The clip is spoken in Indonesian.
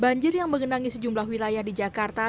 banjir yang mengenangi sejumlah wilayah di jakarta